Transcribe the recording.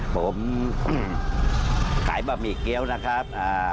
ผมขายบะหมี่เกี้ยวนะครับ